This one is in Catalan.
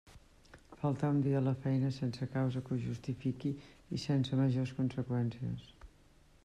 Faltar un dia a la feina sense causa que ho justifiqui i sense majors conseqüències.